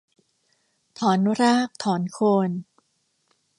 ถอนรากถอนโคน